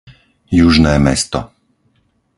Južné Mesto